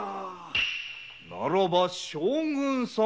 ならば将軍様に。